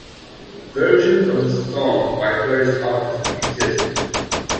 Versions of the song by various artists exist.